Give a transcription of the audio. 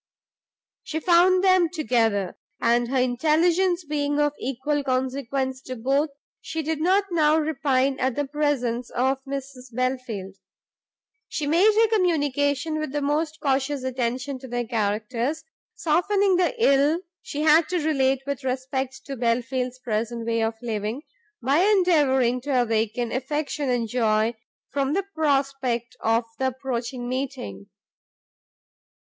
She found them together: and her intelligence being of equal consequence to both, she did not now repine at the presence of Mrs Belfield. She made her communication with the most cautious attention to their characters, softening the ill she had to relate with respect to Belfield's present way of living, by endeavouring to awaken affection and joy from the prospect of the approaching meeting.